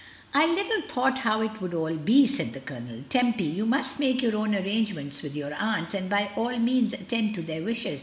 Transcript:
"I little thought how it would all be," said the Colonel. "Tempy, you must make your own arrange ments with your aunts, and by all means attend to their wishes.